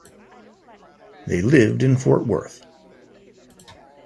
They lived in Fort Worth.